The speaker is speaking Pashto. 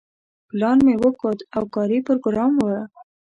پلان مې وکوت او کاري پروګرام و.